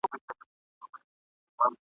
د خټین او د واورین سړک پر غاړه ..